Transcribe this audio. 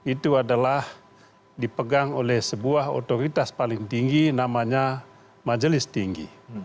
itu adalah dipegang oleh sebuah otoritas paling tinggi namanya majelis tinggi